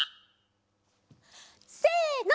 せの。